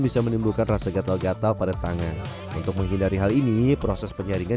bisa menimbulkan rasa gatal gatal pada tangan untuk menghindari hal ini proses penyaringan